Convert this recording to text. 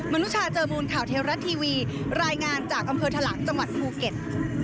นุชาเจอมูลข่าวเทวรัฐทีวีรายงานจากอำเภอทะลังจังหวัดภูเก็ต